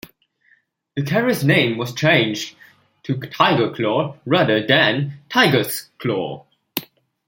The carrier's name was changed to "Tiger Claw", rather than "Tiger's Claw".